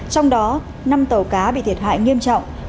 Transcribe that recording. trong đó năm tàu cá bị thiệt hại nghiêm trọng